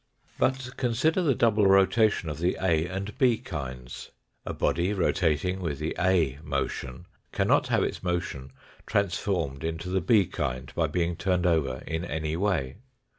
But consider the double rotation of the A and B kinds. A body rotating with the A motion cannot have its motion transformed into the B kind by being turned over in any way.